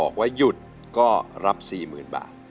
กลับไปก่อนที่สุดท้าย